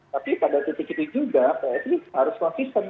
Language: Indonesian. tapi pada titik itu juga psi harus konsisten